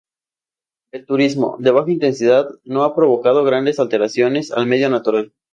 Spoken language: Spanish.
El turismo, de baja intensidad, no ha provocado grandes alteraciones al medio natural.